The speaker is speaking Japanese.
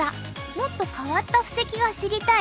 「もっと変わった布石が知りたい」。